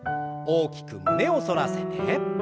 大きく胸を反らせて。